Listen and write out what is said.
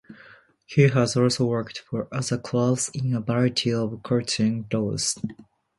He has also worked for other clubs in a variety of coaching roles.